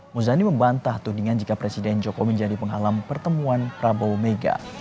muzani membantah tudingan jika presiden jokowi menjadi penghalang pertemuan prabowo mega